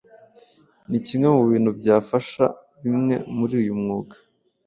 nikimwe mubitu byafasha bwme muri uyu mwuga